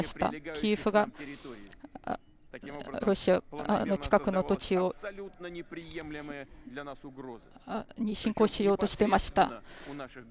キエフがロシアの近くの土地に侵攻しようとしていました。